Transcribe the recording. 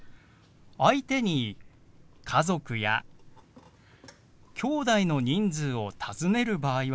相手に家族やきょうだいの人数を尋ねる場合は。